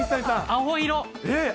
青色。